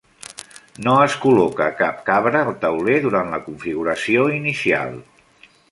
No es col·loca cap cabra al tauler durant la configuració inicial.